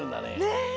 ねえ。